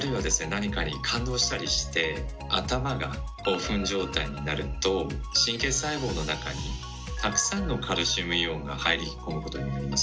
なにかに感動したりして頭が興奮状態になると神経細胞の中にたくさんのカルシウムイオンが入り込むことになります。